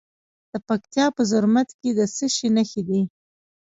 د پکتیا په زرمت کې د څه شي نښې دي؟